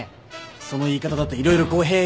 その言い方だと色々語弊が。